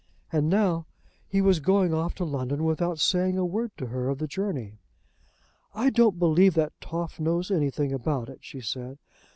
And now he was going off to London without saying a word to her of the journey. "I don't believe that Toff knows anything about it," she said.